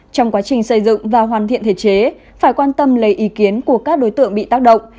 trong quá trình xây dựng và hoàn thiện thể chế phải quan tâm lấy ý kiến của các đối tượng bị tác động